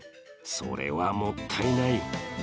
それはもったいない。